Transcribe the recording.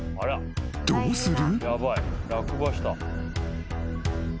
［どうする？］